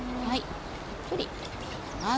たっぷり入れていきます。